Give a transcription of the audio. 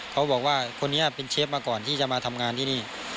เขาบอกว่าคนนี้เป็นเชฟมาก่อนที่จะมาทำงานที่นี่